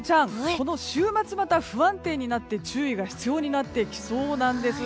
この週末、また不安定になって注意が必要になってきそうです。